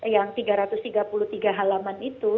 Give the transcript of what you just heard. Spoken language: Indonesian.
yang tiga ratus tiga puluh tiga halaman itu